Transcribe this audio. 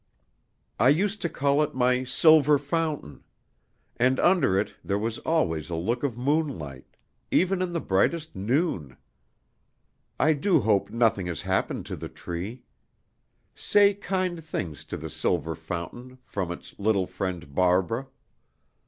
I used to call it my 'silver fountain.' And under it there was always a look of moonlight, even in the brightest noon. I do hope nothing has happened to the tree? Say kind things to the silver fountain from its little friend Barbara.